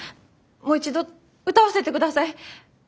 もう一度歌わせてください。